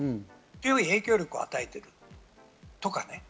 強い影響力を与えているとかね。